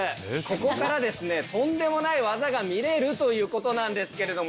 ここからですねとんでもない技が見れるということなんですけど。